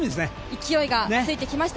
勢いがついてきました。